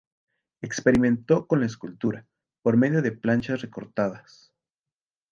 Experimentó con la escultura, por medio de planchas recortadas.